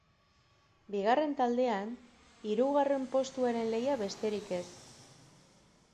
Bigarren taldean, hirugarren postuaren lehia besterik ez.